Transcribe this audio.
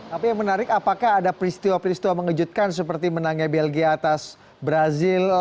tapi yang menarik apakah ada peristiwa peristiwa mengejutkan seperti menangnya belgia atas brazil